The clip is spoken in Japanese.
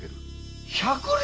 百両！？